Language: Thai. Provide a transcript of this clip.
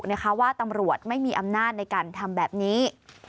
นะคะว่าตำรวจไม่มีอำนาจในการทำแบบนี้